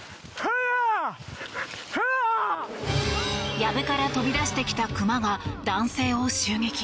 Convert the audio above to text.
やぶから飛び出してきた熊が男性を襲撃。